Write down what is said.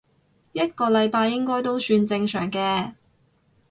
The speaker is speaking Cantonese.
一個禮拜應該都算正常嘅